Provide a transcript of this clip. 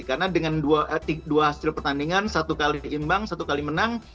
karena dengan dua hasil pertandingan satu kali imbang satu kali menang